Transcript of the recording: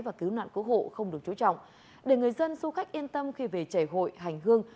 và cứu nạn cứu hộ không được chú trọng để người dân du khách yên tâm khi về chảy hội hành hương